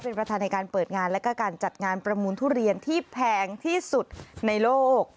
เป็นประธานในการเปิดงานและก็การจัดงานประมูลทุเรียนที่แพงที่สุดในโลก